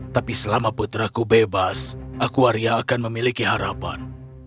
tapi selama putraku bebas aku arya akan memiliki harapan